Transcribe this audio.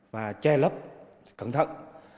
và che lấp cẩn thận